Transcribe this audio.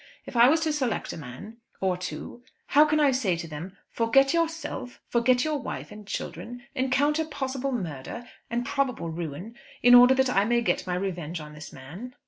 If I was to select a man, or two, how can I say to them, 'forget yourself, forget your wife and children, encounter possible murder, and probable ruin, in order that I may get my revenge on this man'?"